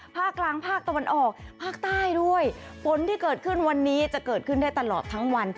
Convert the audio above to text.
ภาคกลางภาคตะวันออกภาคใต้ด้วยฝนที่เกิดขึ้นวันนี้จะเกิดขึ้นได้ตลอดทั้งวัน